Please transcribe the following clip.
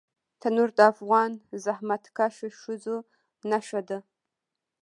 تنور د افغان زحمتکښ ښځو نښه ده